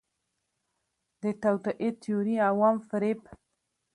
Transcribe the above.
د توطئې تیوري، عوام فریب